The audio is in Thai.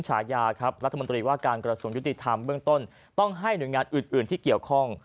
ให้เข้าหม้นกับด้านล่านของชักข่าวเคียง